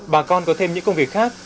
bà con có thêm những công việc khác